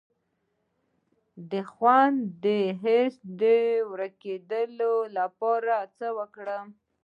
د خوند د حس د ورکیدو لپاره باید څه وکړم؟